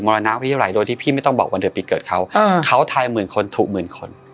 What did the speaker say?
รณาวิทยาไรโดยที่พี่ไม่ต้องบอกวันเดือนปีเกิดเขาเขาทายหมื่นคนถูกหมื่นคน